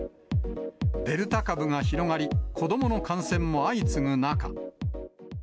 デルタ株が広がり、子どもの感染も相次ぐ中。